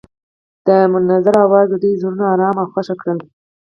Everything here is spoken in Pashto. د منظر اواز د دوی زړونه ارامه او خوښ کړل.